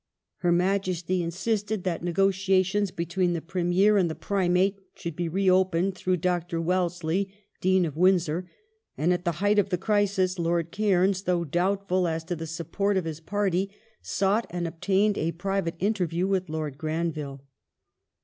Her Majesty insisted that negotiations between the Premier and the Primate should be reopened through Dr. Wellesley, Dean of Windsor; and, at the height of the crisis, Lord Cairns, though doubtful as to the support of his party, sought and obtained a private interview with Lord Granville.